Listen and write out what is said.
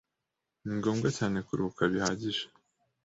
Ni ngombwa cyane kuruhuka bihagije.